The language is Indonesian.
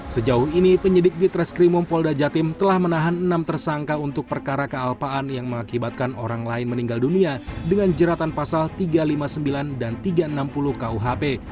sejauh ini penyidik di treskrimum polda jatim telah menahan enam tersangka untuk perkara kealpaan yang mengakibatkan orang lain meninggal dunia dengan jeratan pasal tiga ratus lima puluh sembilan dan tiga ratus enam puluh kuhp